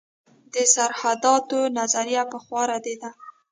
د سرحداتو نظریه پخوا ردېده.